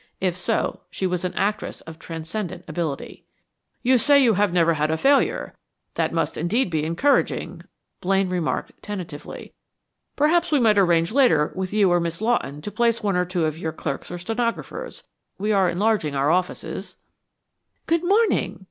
If so, she was an actress of transcendent ability. "You say that you have never had a failure. That must, indeed, be encouraging," Blaine remarked, tentatively. "Perhaps we might arrange later with you or Miss Lawton to place one or two of your clerks or stenographers. We are enlarging our offices " "Good morning!"